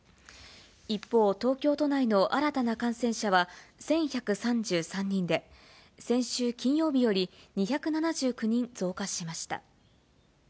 一方、東京都内の新たな感染者は１１３３人で、先週金曜日より２７９人増加しました。